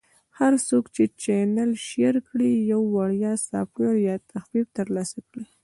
- هر څوک چې چینل Share کړي، یو وړیا سافټویر یا تخفیف ترلاسه کړي.